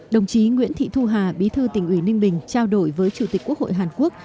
đồng chí nguyễn thị thu hà bí thư tỉnh ủy ninh bình trao đổi với chủ tịch quốc hội hàn quốc